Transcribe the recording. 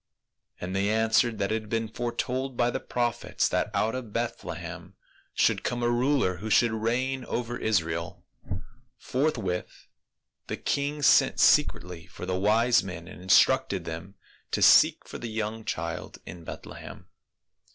And they answered THE MEDIATOR. 185 that it had been foretold by the prophets that out of Bethlehem should come a ruler who should reign over Israel. Forthwith the king sent secretly for the wise men and instructed them to seek for the young child in Bethlehem.